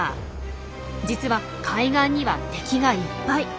実は海岸には敵がいっぱい。